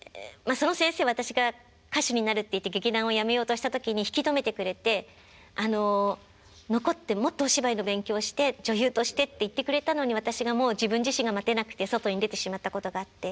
その先生私が歌手になるっていって劇団をやめようとした時に引き止めてくれて「残ってもっとお芝居の勉強して女優として」って言ってくれたのに私がもう自分自身が待てなくて外に出てしまったことがあって。